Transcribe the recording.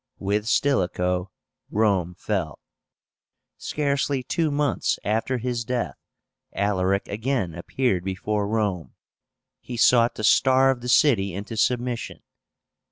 With Stilicho Rome fell. Scarcely two months after his death, Alaric again appeared before Rome. He sought to starve the city into submission.